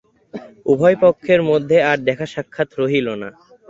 উভয়পক্ষের মধ্যে আর দেখাসাক্ষাৎ রহিল না।